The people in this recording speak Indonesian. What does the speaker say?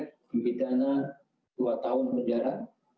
dipidana dua tahun penjara